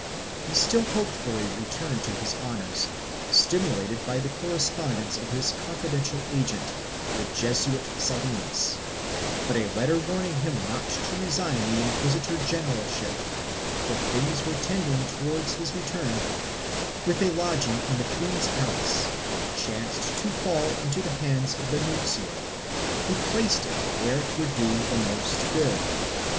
He still hoped for a return to his honors, stimulated by the correspondence of his confidential agent, the Jesuit Salinas, but a letter warning him not to resign the inquisitor generalship, for things were tending towards his return, with a lodging in the queen's palace, chanced to fall into the hands of the nuncio, who placed it where it would do the most good.